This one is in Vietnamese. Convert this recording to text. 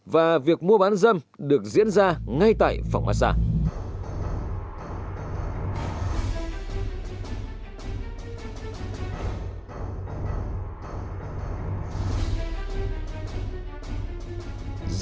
và việc mua bán dâm được diễn ra ngay tại phòng massage